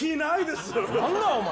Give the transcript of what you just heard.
何だお前。